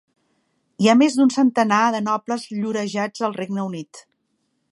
Hi ha més d'un centenar de nobles llorejats al Regne Unit.